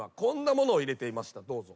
どうぞ。